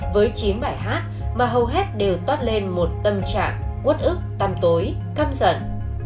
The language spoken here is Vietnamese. với chín bài hát mà hầu hết đều toát lên một tâm trạng quất ức tăm tối căm giận